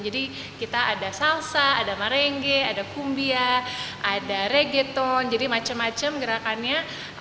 jadi kita ada salsa ada marengge ada kumbia ada reggaeton jadi macam macam gerakannya